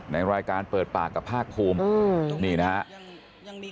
ในรายการเปิดปากกับภาคภูมินี่นะครับ